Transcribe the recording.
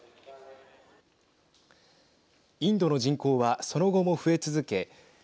インドの人口はその後も増え続け